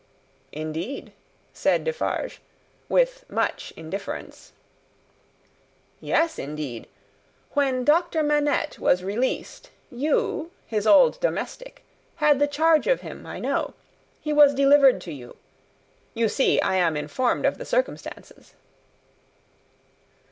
"Indeed!" said Defarge, with much indifference. "Yes, indeed. When Doctor Manette was released, you, his old domestic, had the charge of him, I know. He was delivered to you. You see I am informed of the circumstances?"